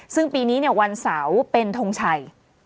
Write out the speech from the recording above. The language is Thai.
ซึ่งปีนี้วันเสาร์เป็นทงชัย